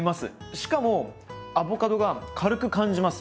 しかもアボカドが軽く感じます。